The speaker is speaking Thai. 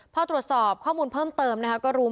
พอตรวจสอบข้อมูลเพิ่มเติมก็รู้มาจากชาวบ้าน